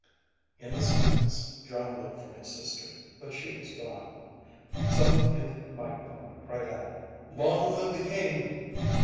In the silence, Jon looked for his sister, but she was gone. Someone near the microphone cried out, "Long live the King."